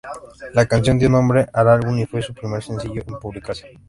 La canción dio nombre al álbum y fue su primer sencillo en publicarse.